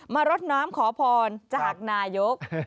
รดน้ำขอพรจากนายก